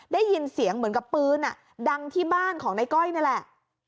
ได้ยินเสียงเหมือนกับปืนดังที่บ้านของในก้อยนี่แหละ